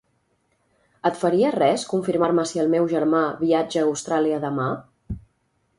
Et faria res confirmar-me si el meu germà viatja a Austràlia demà?